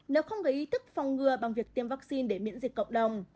nếu không có ý thức phòng ngừa bằng việc tiêm vaccine để miễn dịch cộng đồng